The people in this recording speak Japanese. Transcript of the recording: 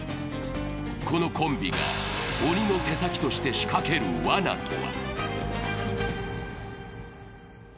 このコンビが鬼の手先として仕掛けるわなとは。